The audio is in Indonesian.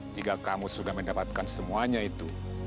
jika kamu sudah mendapatkan semuanya itu